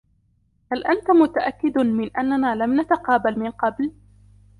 هل أنت متأكّد من أننا لم نتقابل من قبل ؟